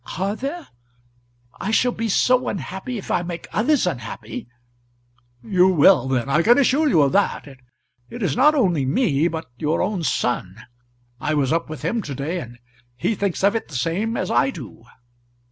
"Are there? I shall be so unhappy if I make others unhappy." "You will then, I can assure you of that. It is not only me, but your own son. I was up with him to day, and he thinks of it the same as I do."